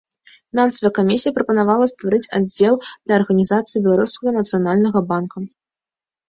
Фінансавая камісія прапанавала стварыць аддзел для арганізацыі беларускага нацыянальнага банка.